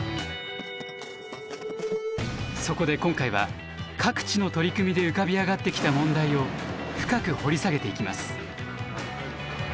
そこで今回は各地の取り組みで浮かび上がってきた問題を深く掘り下げていきます。